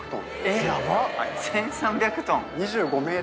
えっ１３００トン！